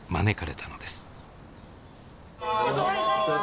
おはようございます。